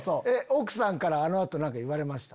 奥さんからあの後何か言われました？